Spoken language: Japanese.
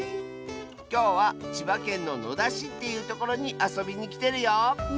きょうは千葉県の野田市っていうところにあそびにきてるよ。